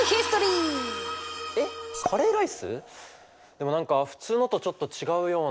でも何か普通のとちょっと違うような。